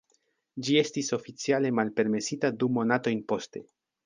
Ĝi estis oficiale malpermesita du monatojn poste.